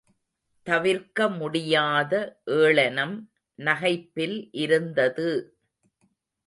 தவிர்க்க முடியாத ஏளனம் நகைப்பில் இருந்தது.